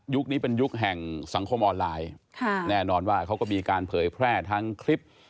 นี้เป็นยุคแห่งสังคมออนไลน์ค่ะแน่นอนว่าเขาก็มีการเผยแพร่ทั้งคลิป